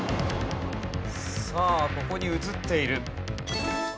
さあここに写っている。